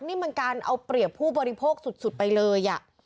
นี่มันการเอาเปรียบผู้บริโภคสุดไปเลย